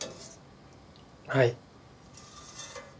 はい。